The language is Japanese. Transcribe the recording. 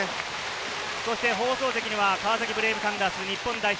放送席には川崎ブレイブサンダース、日本代表